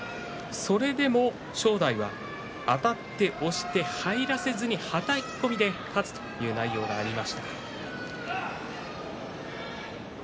それでも正代はあたって押して入らせずにはたき込みで勝つという内容がありました。